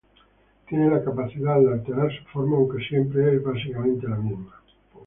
Tiene la capacidad de alterar su forma, aunque siempre es básicamente la misma.